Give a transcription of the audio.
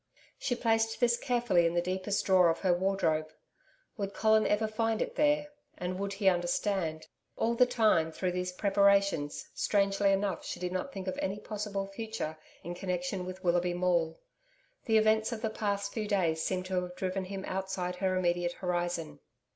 She placed this carefully in the deepest drawer of her wardrobe. Would Colin ever find it there and would he understand? All the time, through these preparations, strangely enough she did not think of any possible future in connection with Willoughby Maule. The events of the past few days seemed to have driven him outside her immediate horizon.